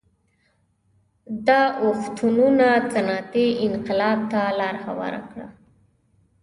دا اوښتونونه صنعتي انقلاب ته لار هواره کړه